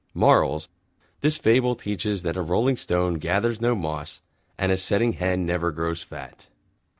MORALS: This Fable teaches that a Rolling Stone Gathers No Moss, and a Setting Hen Never Grows Fat.